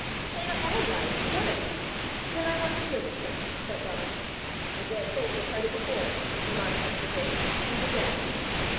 "They are all lies together!" "Then I want to hear this one," said Donal. "I daresay you have heard it before!" remarked Mr. Graeme, and began.